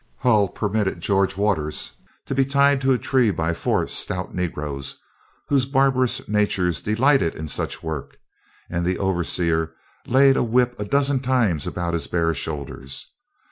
Hull permitted George Waters to be tied to a tree by four stout negroes, whose barbarous natures delighted in such work, and the overseer laid a whip a dozen times about his bare shoulders.